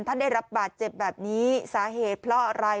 ท่านได้รับบาดเจ็บแบบนี้สาเหตุเพราะอะไร